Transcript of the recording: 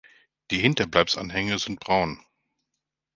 Die Hinterleibsanhänge sind braun.